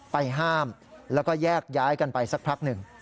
ห้ามแล้วก็แยกย้ายกันไปสักพักหนึ่ง